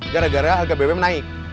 gara gara harga bpb menaik